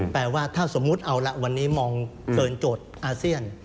แปลว่าถ้าสมมุติเอาละวันนี้มองเกินโจทย์อาเซียน